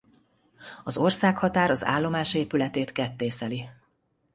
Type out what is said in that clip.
Az országhatár az állomás épületét kettészeli.